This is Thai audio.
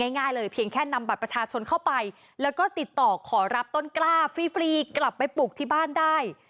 ง่ายเลยเพียงแค่นำบัตรประชาชนเข้าไปแล้วก็ติดต่อขอรับต้นกล้าฟรีกลับไปปลูกที่บ้านได้